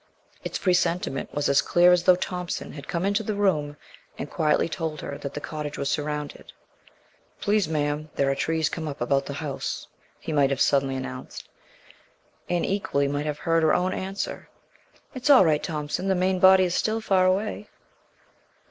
Its presentiment was as clear as though Thompson had come into the room and quietly told her that the cottage was surrounded. "Please, ma'am, there are trees come up about the house," she might have suddenly announced. And equally might have heard her own answer: "It's all right, Thompson. The main body is still far away."